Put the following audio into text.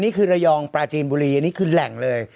นี่คือระยองปราจีนบุรีอันนี้คือแหล่งเลย